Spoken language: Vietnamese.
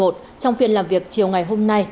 trong phiên làm việc chiều ngày hôm nay